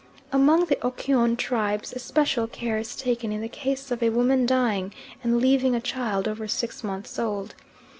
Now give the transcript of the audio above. Among the Okyon tribes especial care is taken in the case of a woman dying and leaving a child over six months old.